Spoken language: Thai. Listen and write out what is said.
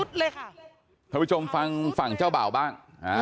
ทุกผู้ชมฟังฝั่งเจ้าเบาบ้าง